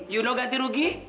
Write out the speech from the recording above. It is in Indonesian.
you know ganti rugi